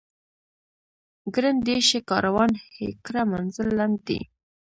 ګړندی شه کاروان هی کړه منزل لنډ دی.